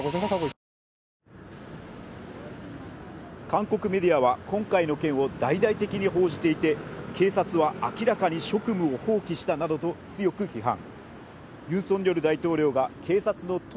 韓国メディアは今回の件を大々的に報じていて警察は明らかに職務を放棄したなどと強く批判